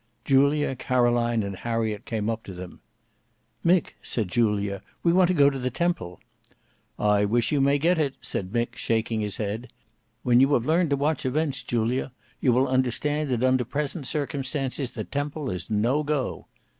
Julia, Caroline, and Harriet came up to them. "Mick," said Julia, "we want to go to the Temple." "I wish you may get it," said Mick shaking his head. "When you have learnt to watch events, Julia, you will understand that under present circumstances the Temple is no go."